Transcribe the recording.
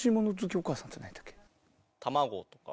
卵とか。